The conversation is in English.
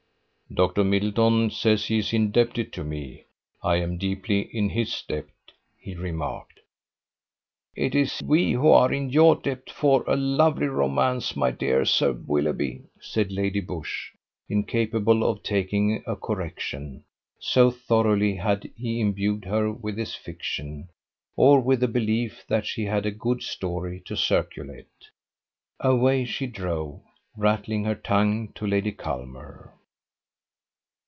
"Dr Middleton says he is indebted to me: I am deeply in his debt," he remarked. "It is we who are in your debt for a lovely romance, my dear Sir Willoughby," said Lady Busshe, incapable of taking a correction, so thoroughly had he imbued her with his fiction, or with the belief that she had a good story to circulate. Away she drove, rattling her tongue to Lady Culmer.